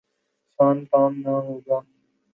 سان کام نہ ہوگا ۔